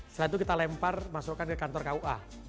setelah itu kita lempar masukkan ke kantor kua